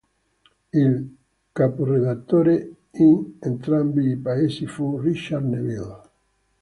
Il caporedattore, in entrambi i paesi, fu Richard Neville.